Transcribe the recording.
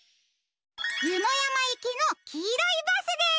ゆのやまいきのきいろいバスです！